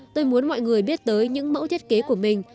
tôi muốn mọi người biết tới những mẫu thiết kế của mình